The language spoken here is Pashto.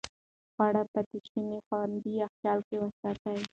د خوړو پاتې شوني خوندي يخچال کې وساتئ.